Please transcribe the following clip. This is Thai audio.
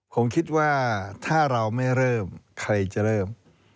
ผมคิดว่าถ้าเราไม่เริ่มใครจะเริ่ม